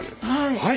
はい。